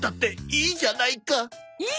いいじゃないか！